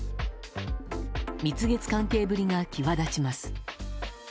蜜月関係ぶりが際立ちます。